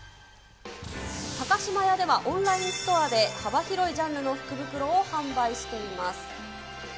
高島屋では、オンラインストアで幅広いジャンルの福袋を販売しています。